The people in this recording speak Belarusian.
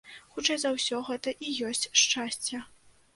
Хутчэй за ўсё, гэта і ёсць шчасце.